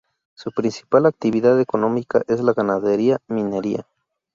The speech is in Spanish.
Su principal actividad económica es la ganadería, minería.